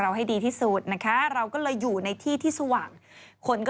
จริงจริงจริงจริงจริงจริง